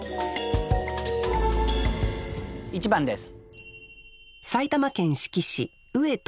１番です。